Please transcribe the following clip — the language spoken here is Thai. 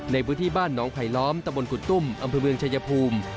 ในพื้นที่บ้านหนองไผลล้อมตะบนกุดตุ้มอำเภอเมืองชายภูมิ